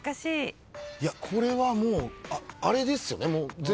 これはもうあれですよね。